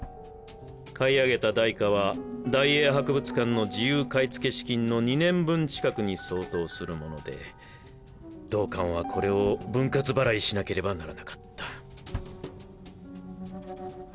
買い上げた代価は大英博物館の自由買い付け資金の２年分近くに相当するもので同館はこれを分割払いしなければならなかった。